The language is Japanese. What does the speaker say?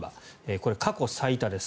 これ、過去最多です。